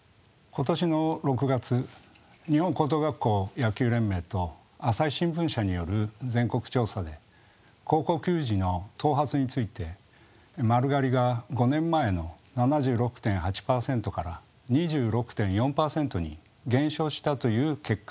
今年の６月日本高等学校野球連盟と朝日新聞社による全国調査で高校球児の頭髪について「丸刈り」が５年前の７６．８％から２６．４％に減少したという結果が注目されました。